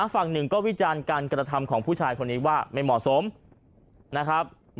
ฝั่งหนึ่งก็วิจารณ์การกระทำของผู้ชายคนนี้ว่าไม่เหมาะสมนะครับ